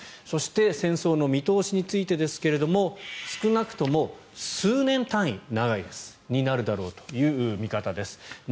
そして戦争の見通しについてですが少なくとも数年単位になるだろうという見方です。